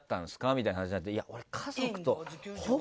みたいな話になって「いや俺」。